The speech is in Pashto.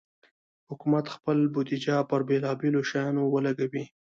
حکومت خپل بودیجه پر بېلابېلو شیانو ولګوي.